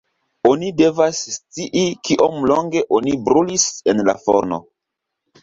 Oni devas scii, kiom longe oni brulis en la forno“.